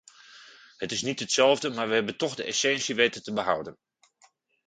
Het is niet hetzelfde, maar we hebben toch de essentie weten te behouden.